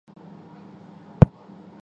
葫芦碘泡虫为碘泡科碘泡虫属的动物。